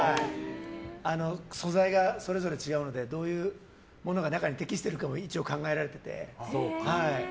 素材がそれぞれ違うのでどういうものが適しているのか一応、考えられてて。